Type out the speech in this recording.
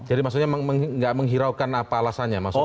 jadi maksudnya gak menghiraukan apa alasannya